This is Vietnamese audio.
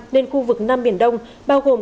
nên khu vực nam biển đông bao gồm